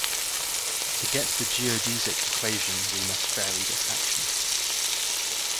To get the geodesic equation we must vary this action.